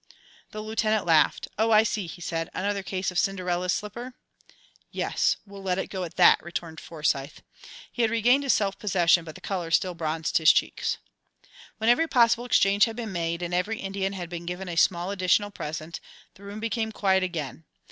The Lieutenant laughed. "Oh, I see," he said. "Another case of Cinderella's slipper?" "Yes, we'll let it go at that," returned Forsyth. He had regained his self possession, but the colour still bronzed his cheeks. When every possible exchange had been made, and every Indian had been given a small additional present, the room became quiet again.